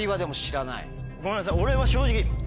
ごめんなさい俺は正直。